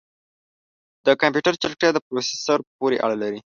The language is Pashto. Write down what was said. د کمپیوټر چټکتیا د پروسیسر پورې اړه لري.